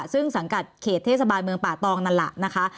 ซึ่งสังกัดเขตเทศบาลเมืองป่าตองนั่นแหละนะคะ